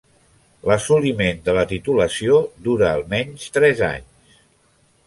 L'assoliment de la titulació dura almenys tres anys.